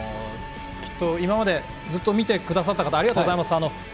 きっと今までずっと見てくださった方、ありがとうございます。